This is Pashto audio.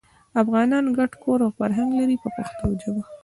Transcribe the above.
افغانان ګډ کور او فرهنګ لري په پښتو ژبه.